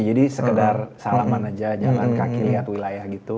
jadi sekedar salaman aja jalan kaki liat wilayah gitu